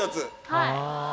はい。